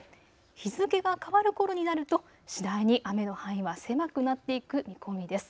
日付が変わるころになると次第に雨の範囲は狭くなっていく見込みです。